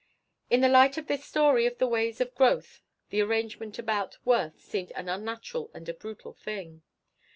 In the light of this story of the ways of growth the arrangement about Worth seemed an unnatural and a brutal thing.